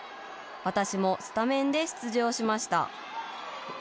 私もスタメンで出場しました。